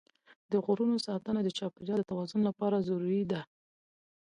د غرونو ساتنه د چاپېریال د توازن لپاره ضروري ده.